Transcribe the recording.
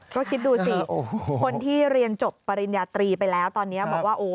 ก็คิดดูสิคนที่เรียนจบปริญญาตรีไปแล้วตอนนี้บอกว่า